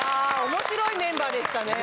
面白いメンバーでしたね。